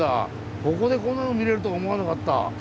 ここでこんなの見れるとは思わなかった。